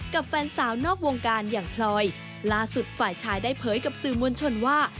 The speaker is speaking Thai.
กับแฟนสาวนอกวงการอย่างพลอยล่าสุดฝ่ายชายได้เผยกับสื่อมวลชนว่า